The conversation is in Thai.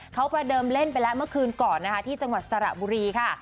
เขาประเดิมเล่นไปแล้วเมื่อคืนก่อนนะคะที่จังหวัดสระบุรีค่ะ